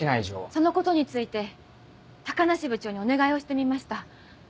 そのことについて高梨部長にお願いをしてみました。